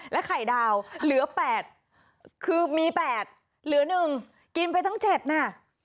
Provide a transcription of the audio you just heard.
ไข่ดาวเหลือ๘คือมี๘เหลือ๑กินไปทั้ง๗น่ะ